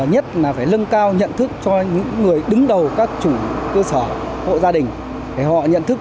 nhất là phải lân cao nhận thức cho những người đứng đầu các chủ cơ sở hộ gia đình để họ nhận thức